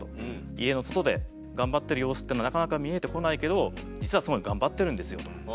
「家の外で頑張っている様子というのはなかなか見えてこないけど実はすごい頑張ってるんですよ」と。